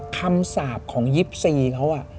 คำสาปของยิปซีเขา